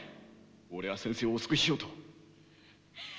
俺は先生をお救いしようと。